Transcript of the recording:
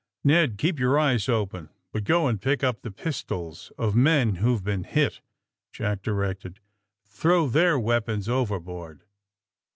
Ned, keep your eyes open, but go and pick up the pistols of men whoVe been hit," Jack directed. ^^ Throw their weapons overboard."